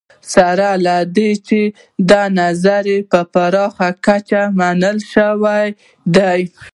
سره له دې چې دا نظریه په پراخه کچه منل شوې ده